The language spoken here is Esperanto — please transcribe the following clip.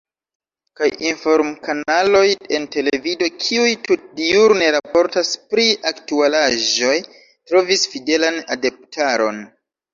Kaj inform-kanaloj en televido, kiuj tutdiurne raportas pri aktualaĵoj, trovis fidelan adeptaron.